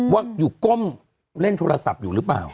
ว่าอยู่ก้มเล่นโทรศัพท์อยู่หรือเปล่า